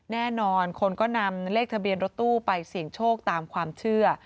แน่นอนคนก็นำเลขทะเบียนรถตู้ไปเสี่ยงโชคตามความเชื่อ